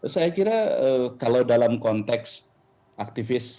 saya kira kalau dalam konteks aktivis